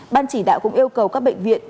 ban chỉ đạo cũng yêu cầu các bệnh viện